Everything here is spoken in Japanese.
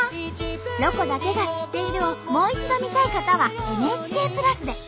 「ロコだけが知っている」をもう一度見たい方はＮＨＫプラスで。